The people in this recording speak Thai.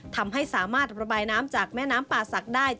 ทำให้สามารถระบายน้ำจากแม่น้ำป่าศักดิ์ได้